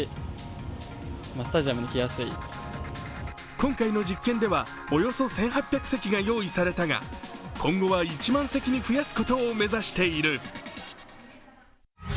今回の実験ではおよそ１８００席が用意されたが今後は１万席に増やすことを目指している。